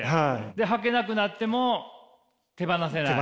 はけなくなっても手放せない？